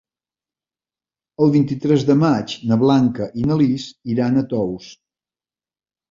El vint-i-tres de maig na Blanca i na Lis iran a Tous.